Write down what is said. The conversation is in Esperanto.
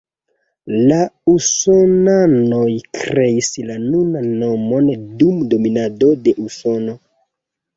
La usonanoj kreis la nunan nomon dum dominado de Usono.